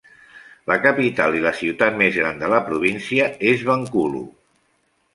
La capital i la ciutat més gran de la província és Bengkulu.